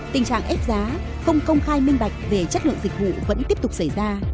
tình trạng ép giá không công khai minh bạch về chất lượng dịch vụ vẫn tiếp tục xảy ra